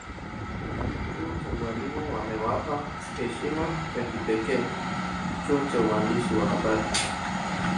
Chuo cha ualimu wamewapa heshima ya kipekee chuo cha uandishi wa habari